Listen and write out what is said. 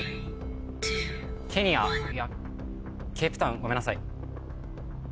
ケニアいやケープタウンごめんなさい